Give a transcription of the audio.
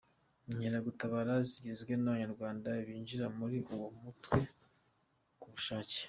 Inkeragutabara zigizwe n’abanyarwanda binjira muri uwo mutwe ku bushake.